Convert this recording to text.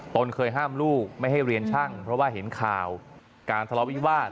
ตนเคยห้ามลูกไม่ให้เรียนช่างเพราะว่าเห็นข่าวการทะเลาะวิวาส